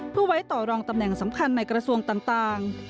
เพื่อไว้ต่อรองตำแหน่งสำคัญในกระทรวงต่าง